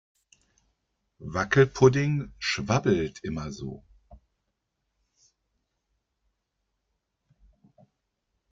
Wackelpudding schwabbelt immer so.